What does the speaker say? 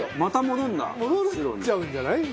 戻っちゃうんじゃない？